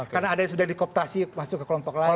karena ada yang sudah dikooptasi masuk ke kelompok lain